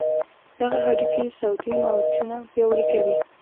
دغه هډوکي صوتي موجونه پیاوړي کوي.